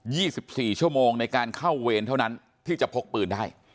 ี่สิบสี่ชั่วโมงในการเข้าเวรเท่านั้นที่จะพกปืนได้